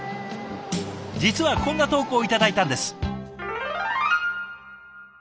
実はこんな投稿頂いたんです。